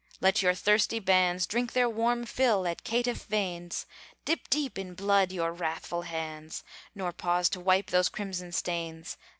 let your thirsty bands Drink their warm fill at caitiff veins; Dip deep in blood your wrathful hands, Nor pause to wipe those crimson stains.